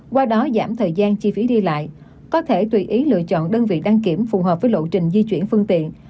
qua đó giảm thời gian chi phí đi lại có thể tùy ý lựa chọn đơn vị đăng kiểm phù hợp với lộ trình di chuyển phương tiện